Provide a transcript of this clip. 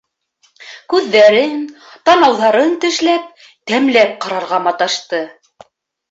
Күҙҙәрен, танауҙарын тешләп, тәмләп ҡарарға маташты.